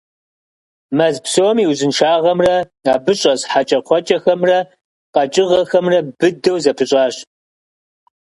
Мэз псом и узыншагъэмрэ абы щӏэс хьэкӏэкхъуэкӏэхэмрэ къэкӏыгъэхэмрэ быдэу зэпыщӀащ.